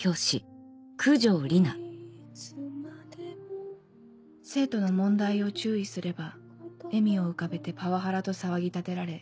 いつまでも生徒の問題を注意すれば笑みを浮かべてパワハラと騒ぎ立てられ